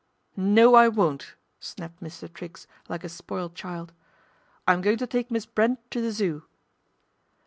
" No, I won't," snapped Mr. Triggs like a spoilt child, " I'm going to take Miss Brent to the Zoo."